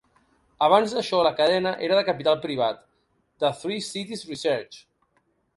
Abans d'això, la cadena era de capital privat de Three Cities Research.